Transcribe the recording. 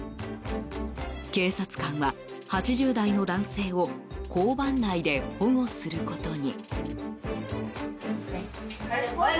警察官は８０代の男性を交番内で保護することに。